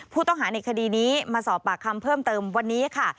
ผู้ต้องหาในคดีนี้มาสอบปากคำเพิ่มเติมวันนี้ค่ะ